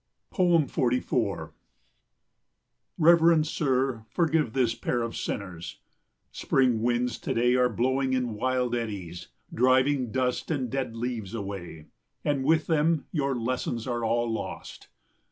44 Reverend sir, forgive this pair of sinners. Spring winds to day are blowing in wild eddies, driving dust and dead leaves away, and with them your lessons are all lost.